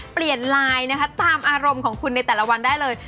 เปลี่ยนไลน์นะคะตามอารมณ์ของคุณในแต่ละวันได้เลย